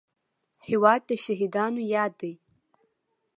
هېواد د شهیدانو یاد دی.